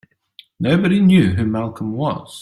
Nobody knew who Malcolm was.